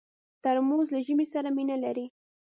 ترموز له ژمي سره مینه لري.